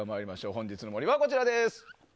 本日の森はこちらです。